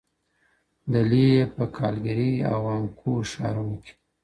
دلې ئې په کالګري او وانکوور ښارونو کي